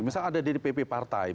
misalnya ada ddpp partai